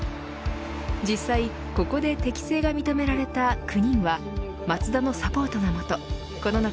実際ここで適性が認められた９人はマツダのサポートのもとこの夏